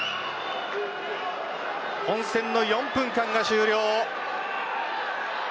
本戦の４分間が終了。